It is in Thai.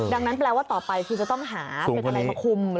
ดังนั้นแปลว่าต่อไปคือจะต้องหาเป็นอะไรมาคุม